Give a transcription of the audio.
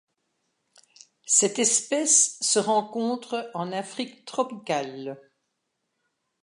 Cette espèce se rencontre en Afrique tropicale.